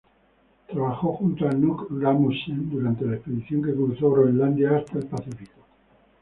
Trabajó junto a Knud Rasmussen, durante la expedición que cruzó Groenlandia hasta el Pacífico.